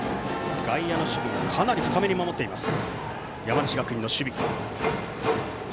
外野の守備かなり深めに守っています山梨学院の守備。